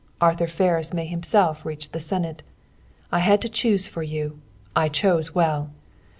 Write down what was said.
Arthur Ferris may Himself reach the Senate. I had to choose for you. I chose well.